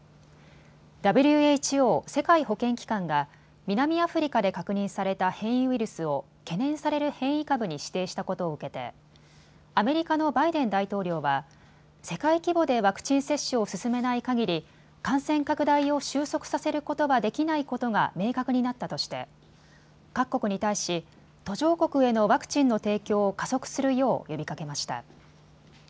ＷＨＯ・世界保健機関が南アフリカで確認された変異ウイルスを懸念される変異株に指定したことを受けてアメリカのバイデン大統領は世界規模でワクチン接種を進めないかぎり感染拡大を終息させることはできないことが明確になったとして各国に対し途上国へのワクチンの提供を加速するよう呼びかけました。